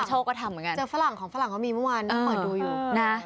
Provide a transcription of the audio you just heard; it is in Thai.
เจอฝรั่งกองฝรั่งเข้ามีเมื่อวานต้องเปิดดูอยู่